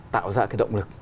tạo ra cái động lực